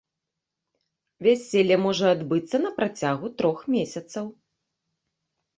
Вяселле можа адбыцца на працягу трох месяцаў.